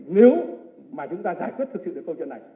nếu mà chúng ta giải quyết thực sự được câu chuyện này